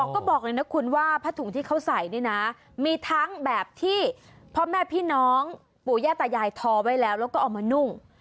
ก็บอกเลยนะคุณว่าผ้าถุงที่เขาใส่นี่นะมีทั้งแบบที่พ่อแม่พี่น้องปู่ย่าตายายทอไว้แล้วแล้วก็เอามานุ่ง